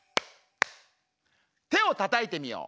てをたたいてみよう。